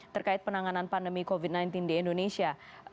terkait penanganan pandemi covid sembilan belas di indonesia